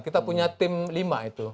kita punya tim lima itu